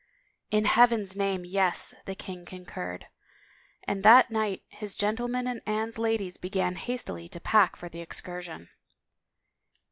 " In Heaven's name, yes/' the king concurred, and that night his gentlemen and Anne's ladies began hastily to pack for the excursion.